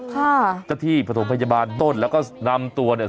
ค่ะจะที่ปฐมพยาบาลต้นแล้วก็นำตัวเนี้ย